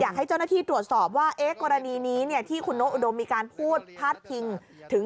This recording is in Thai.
อยากให้เจ้าหน้าที่ตรวจสอบว่ากรณีนี้ที่คุณนกอุดมมีการพูดพาดพิงถึง